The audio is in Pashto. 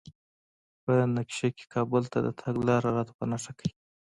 په نقشه کې کابل ته د تګ لار راته په نښه کړئ